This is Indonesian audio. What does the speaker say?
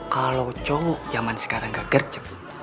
kalau cowok zaman sekarang gak gercep